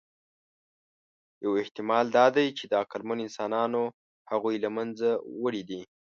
یو احتمال دا دی، چې عقلمنو انسانانو هغوی له منځه وړي دي.